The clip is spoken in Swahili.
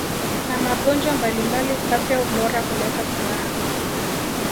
na magonjwa mbalimbali afya bora huleta furaha